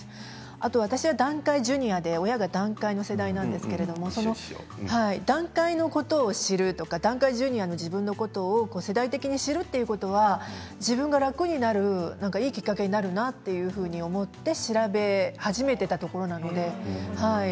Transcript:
あと私は団塊ジュニアで親は団塊の世代なんですけれど団塊のことを知るとか団塊ジュニアの自分のことを世代的に知るということは自分が楽になるいいきっかけになるなというふうに思って調べ始めたところだったんです。